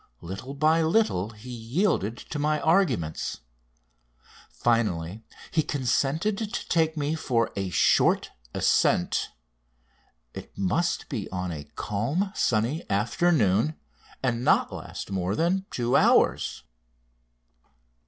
Little by little he yielded to my arguments. Finally he consented to take me "for a short ascent." It must be on a calm, sunny afternoon, and not last more than two hours.